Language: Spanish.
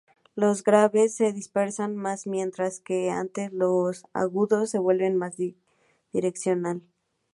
Los graves se dispersan más, mientras que, ante los agudos, se vuelve más direccional.